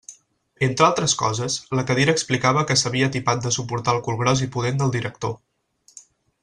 Entre altres coses, la cadira explicava que s'havia atipat de suportar el cul gros i pudent del director.